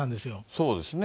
そうですね。